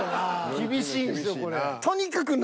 厳しいですよこれ。